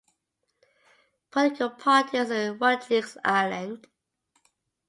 Political parties in Rodrigues island.